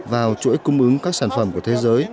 vào chuỗi cung ứng các sản phẩm của thế giới